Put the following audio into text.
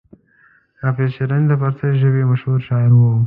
حافظ شیرازي د فارسي ژبې مشهور شاعر و.